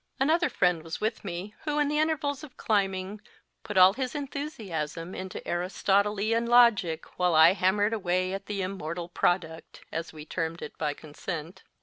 Another friend was with me, who, in the intervals of climbing, put all his enthusiasm into Aristotelian logic while I hammered away at the * immortal product, as we termed it by consent.